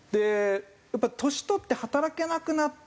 やっぱり年取って働けなくなった。